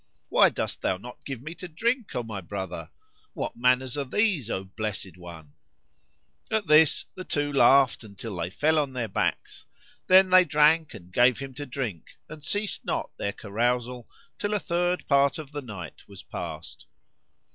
Why dost thou not give me to drink, O my brother? What manners are these, O blessed one?" At this the two laughed until they fell on their backs; then they drank and gave him to drink and ceased not their carousal till a third part of the night was past.